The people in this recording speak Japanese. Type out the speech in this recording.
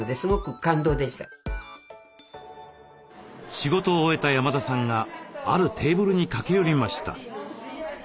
仕事を終えた山田さんがあるテーブルに駆け寄りました。